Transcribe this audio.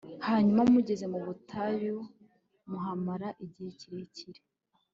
hanyuma mugeze mu butayu muhamara igihe kirekire